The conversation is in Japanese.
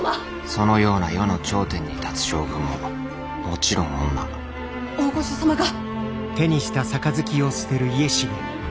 そのような世の頂点に立つ将軍ももちろん女大御所様が。